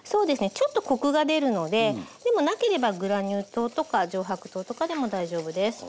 ちょっとコクが出るのででもなければグラニュー糖とか上白糖とかでも大丈夫です。